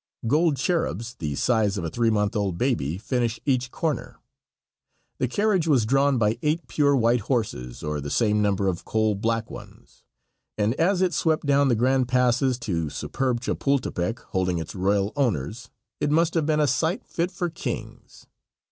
Gold cherubs the size of a three month old baby finish each corner. The carriage was drawn by eight pure white horses or the same number of coal black ones, and as it swept down the grand passes to superb Chapultepec, holding its royal owners, it must have been a sight fit for kings.